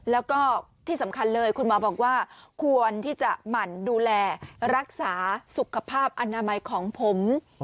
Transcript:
แล้วก็ที่สำคัญเลยคุณหมอบอกว่าควรที่จะหมั่นดูแลรักษาสุขภาพอนามัยของผม